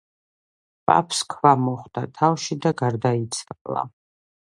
პაპს ქვა მოხვდა თავში და გარდაიცვალა.